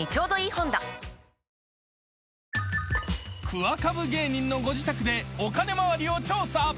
［クワカブ芸人のご自宅でお金まわりを調査］